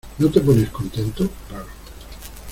¿ no te pones contento? claro...